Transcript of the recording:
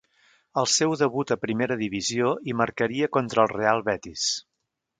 Al seu debut a primera divisió, hi marcaria contra el Real Betis.